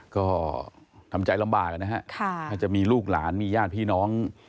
ก็ทำใจลำบากนะฮะถ้าจะมีลูกหลานมีญาติพี่น้อง